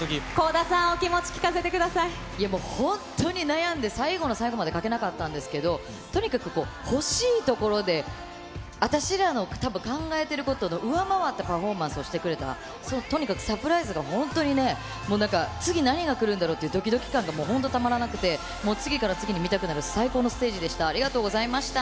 倖田さん、お気持ち聞かせてもう本当に悩んで、最後の最後まで書けなかったんですけど、とにかく、欲しいところで、私らの考えてることの上回ったパフォーマンスをしてくれた、とにかくサプライズが本当にね、なんか、次、何が来るんだろうっていうどきどき感が、もう本当たまらなくて、もう次から次に見たくなる、最高のステージでした。